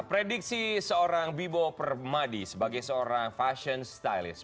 prediksi seorang bibo permadi sebagai seorang fashion stylist